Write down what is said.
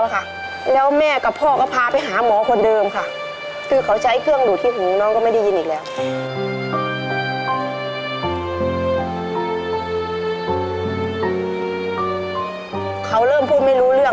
ว่าจะเรียกก็จะเล่นกับเขาทุกวัน